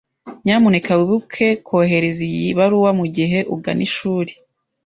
Nyamuneka wibuke kohereza iyi baruwa mugihe ugana ishuri.